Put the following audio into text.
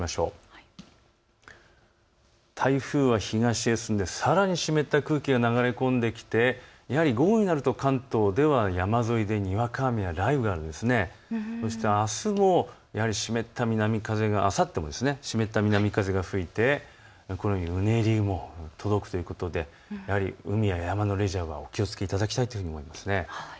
台風は東へ進んでさらに湿った空気が流れ込んできて午後になると関東では山沿いににわか雨や雷雨が、そしてあすもやはり湿った南風が、あさっても南風が吹いてこのようにうねりが届くということでやはり海や山のレジャーはお気をつけいただきたいと思います。